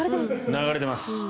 流れています。